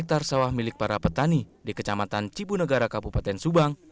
pada saat ini perusahaan pt semen jawa yang hadir dalam audensi di kantor disna ker transmigrasi kabupaten sukabumi